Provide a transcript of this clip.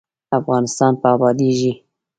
افغانستان به ابادیږي؟